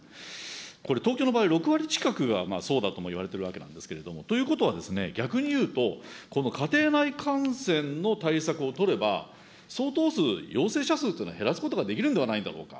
これ、東京の場合、６割近くがそうだともいわれているわけなんですけれども、ということは、逆にいうと、この家庭内感染の対策を取れば、相当数、陽性者数というのは減らすことができるんではないだろうか。